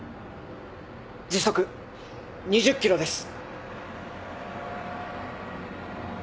時速２０キロです。